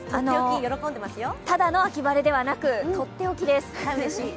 ただの秋晴れではなくとっておきです。